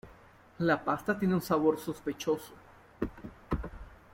La pasta tiene un sabor sospechoso.